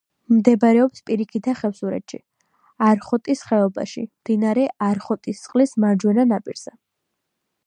მდებარეობს პირიქითა ხევსურეთში, არხოტის ხეობაში, მდინარე არხოტისწყლის მარჯვენა ნაპირზე.